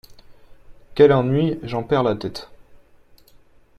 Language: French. Quel ennui ! j’en perds la tête !…